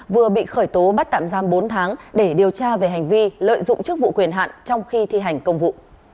vừa bị khởi tố bắt tạm giam bốn tháng để điều tra về hành vi lợi dụng chức vụ quyền hạn trong khi thi hành công vụ